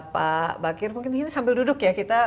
pak bakir mungkin ini sambil duduk ya